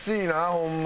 ホンマに。